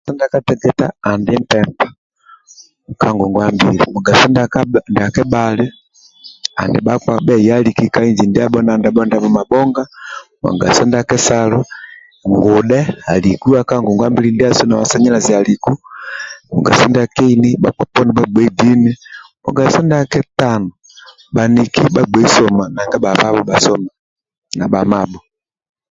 Mugaso ndia kateketa andi mpempa ka ngongwa mbili mugaso ndia kebhali bhakpa bheyaliki ka inji ndibho ndabho ndabho mabhonga mugaso ndia kesalo ngudhe aliku ka ngongwa mbili ndiasu na masaliku mugaso ndia keini bhakpa poni bhagbei dini mugaso ndia ketano bhaniki bhagbei soma nanga na bha ababho bhasomia